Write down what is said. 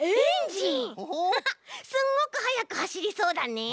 アハハすんごくはやくはしりそうだね。